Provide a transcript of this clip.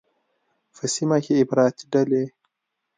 په سیمه کې افراطي ډلې